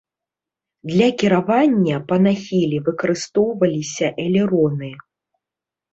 Для кіравання па нахіле выкарыстоўваліся элероны.